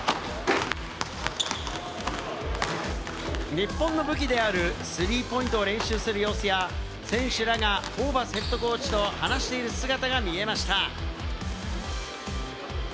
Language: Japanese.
日本の武器であるスリーポイントを練習する様子や選手らがホーバスＨＣと話している姿が見えました。